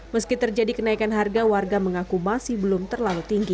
meski terjadi kenaikan harga warga mengaku masih belum terlalu tinggi